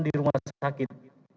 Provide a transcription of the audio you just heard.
di rumah sakit